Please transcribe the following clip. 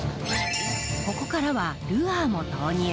ここからはルアーも投入。